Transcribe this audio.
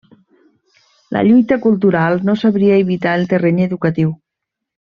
La lluita cultural no sabria evitar el terreny educatiu.